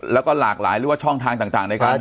แล้วก็หลากหลายหรือว่าช่องทางต่างในการ